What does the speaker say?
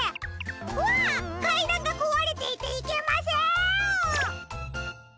わっかいだんがこわれていていけません！